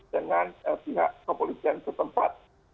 dengan pihak kepolisian setempat